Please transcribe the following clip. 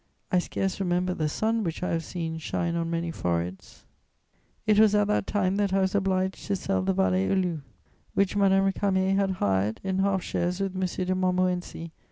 I scarce remember the sun which I have seen shine on many fore heads. [Sidenote: The Abbaye aux Bois.] It was at that time that I was obliged to sell the Vallée aux Loups, which Madame Récamier had hired, in half shares with M. de Montmorency.